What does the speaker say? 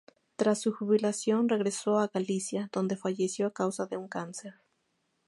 Tras su jubilación regresó a Galicia, donde falleció a causa de un cáncer.